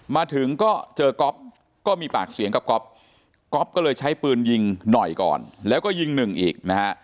มาถึงก็เจอก๊อฟก็มีปากเสียงกับก๊อฟก๊อฟก็เลยใช้ปืนยิงหน่อยก่อนแล้วก็ยิงหนึ่งอีกนะฮะ